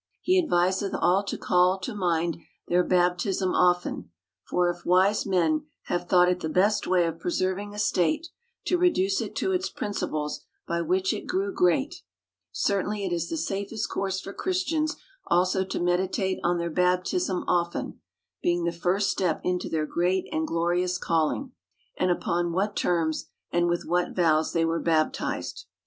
He adviseth all to call to mind their baptism often. For if wise men have thought it the best way of preserving a state, to reduce it to its principles by which it grew great ; certainly it is the safest course for Christians also to meditate on their baptism often (being the first step into their great and glorious calling), and upon what terms, and with what vows they were baptized.